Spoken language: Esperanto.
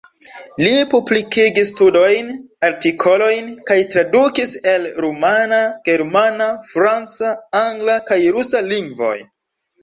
Li publikigis studojn, artikolojn kaj tradukis el rumana, germana, franca, angla kaj rusa lingvoj.